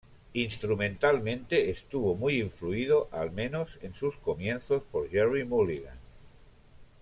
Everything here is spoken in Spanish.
Instrumentalmente, estuvo muy influido, al menos en sus comienzos, por Gerry Mulligan.